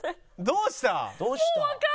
どうしたの？